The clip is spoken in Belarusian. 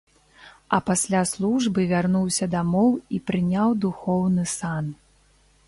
А пасля службы вярнуўся дамоў і прыняў духоўны сан.